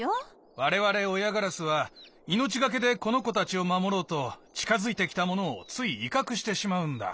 われわれおやガラスはいのちがけでこのこたちをまもろうとちかづいてきたものをついいかくしてしまうんだ。